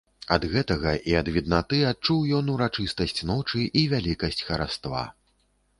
Ад гэтага і ад віднаты адчуў ён урачыстасць ночы і вялікасць хараства.